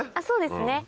そうですね。